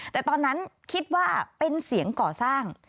แต่ตอนนั้นคิดว่าเป็นเสียงก่อสร้าง